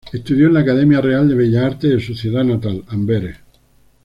Estudió en la Academia Real de Bellas Artes de su ciudad natal, Amberes.